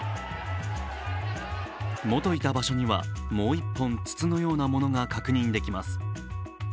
もといた場所にはもう一本、筒のようなものが確認できます。